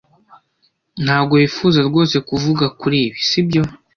Ntago wifuza rwose kuvuga kuri ibi, sibyo?